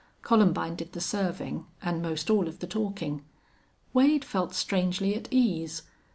Columbine did the serving, and most all of the talking. Wade felt strangely at ease.